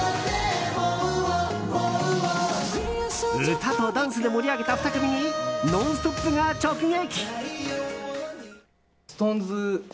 歌とダンスで盛り上げた２組に「ノンストップ！」が直撃。